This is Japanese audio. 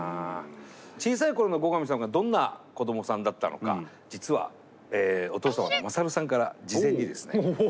小さい頃の後上さんがどんな子どもさんだったのか実はお父様の勝さんから事前にですね。